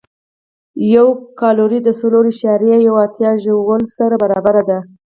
یوه کالوري د څلور اعشاریه یو اتیا ژول سره برابره ده.